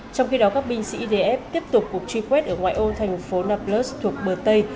trong khi đó các binh sĩ df tiếp tục cuộc truy quét ở ngoại ô thành phố nablus thuộc bờ tây